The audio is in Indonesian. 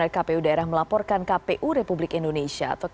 kpu republik indonesia